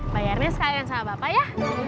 bayarnya sekalian sama bapak ya